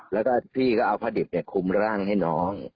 แล้วก็พี่ก็เอาผ้าดิบคุมร่างให้น้อง